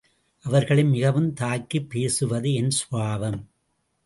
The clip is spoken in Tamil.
அவர்களை மிகவும் தாக்கிப் பேசுவது என் சுபாவம்.